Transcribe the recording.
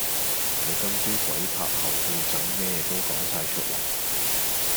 佢今朝鬼拍後背枕咩都講哂出黎